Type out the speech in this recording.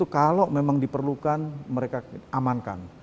kalau memang diperlukan mereka amankan